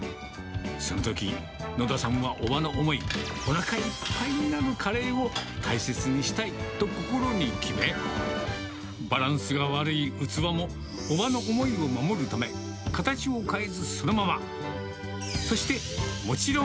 そのとき、野田さんは伯母の思い、おなかいっぱいになるカレーを大切にしたいと心に決め、バランスが悪い器も、伯母の思いを守るため、形を変えずそのまま。